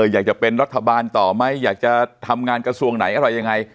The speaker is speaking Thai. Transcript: อยากจะเป็นรัฐบาลต่อไหมอยากจะทำงานกระทรวงไหนอะไรยังไง